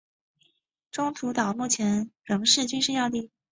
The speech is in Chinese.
中途岛目前仍是军事要地。